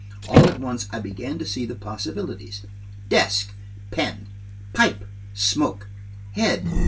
All at once I began to see the possibilities. "Desk." "Pen." "Pipe." "Smoke." "Head."